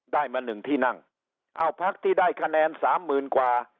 ได้มาหนึ่งที่นั่งเอาพักที่ได้คะแนนสามหมื่นกว่า